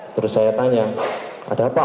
terus saya tanya ada apa